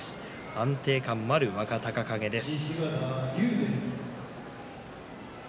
安定感のある若隆景です。